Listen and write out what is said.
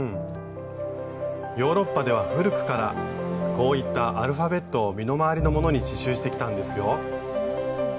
ヨーロッパでは古くからこういったアルファベットを身の回りのものに刺しゅうしてきたんですよ。